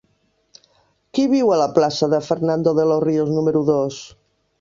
Qui viu a la plaça de Fernando de los Ríos número dos?